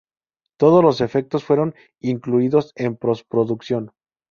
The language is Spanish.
Todos los efectos fueron incluidos en posproducción.